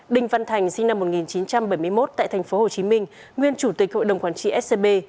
đình văn thành sinh năm một nghìn chín trăm bảy mươi một tại tp hcm nguyên chủ tịch hội đồng quản trị scb